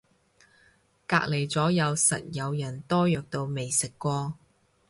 隔離咗右實有人多藥到未食過